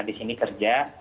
di sini kerja